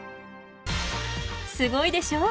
すごいでしょ？